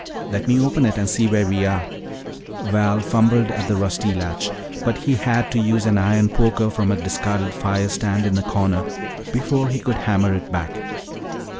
"Let me open it and see where we are." Val fumbled at the rusty latch, but he had to use an iron poker from a discarded fire stand in the corner before he could hammer it back.